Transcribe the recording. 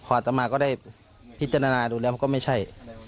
อัตติมาก็ได้พิจารณาดูแลก็ไม่ใช่